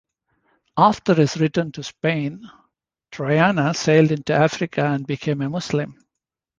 After his return to Spain, Triana sailed into Africa and became a Muslim.